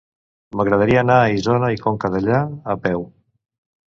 M'agradaria anar a Isona i Conca Dellà a peu.